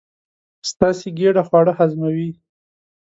ستاسې ګېډه خواړه هضموي.